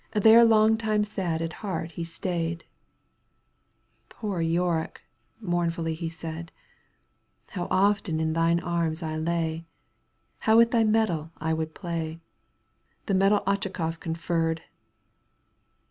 There long time sad at heart he stayed :^" Poor Yorick," mournfully he said, " How often in thine arms I lay ; How with thy medal I would play, The medal Otchakoff conferred